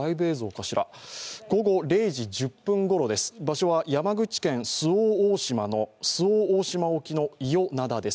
午後０時１０分ごろです、場所は山口県周防大島沖の伊予灘です。